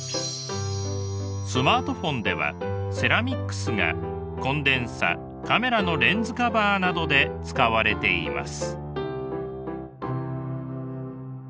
スマートフォンではセラミックスがコンデンサカメラのレンズカバーなどで使われています。